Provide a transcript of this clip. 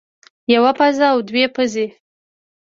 يوه پوزه او دوه پوزې